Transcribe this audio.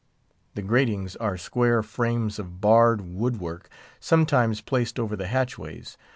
The gratings are square frames of barred wood work, sometimes placed over the hatchways.